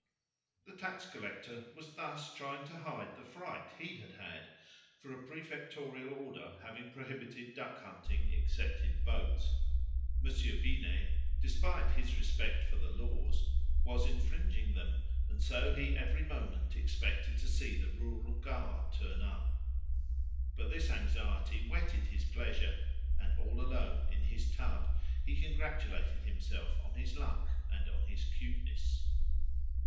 The tax collector was thus trying to hide the fright he had had, for a prefectorial order having prohibited duckhunting except in boats, Monsieur Binet, despite his respect for the laws, was infringing them, and so he every moment expected to see the rural guard turn up. But this anxiety whetted his pleasure, and, all alone in his tub, he congratulated himself on his luck and on his cuteness.